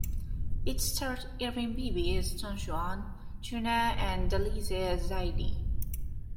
It starred Irving Beebee as Don Juan, Junior and Delysia as Zaydee.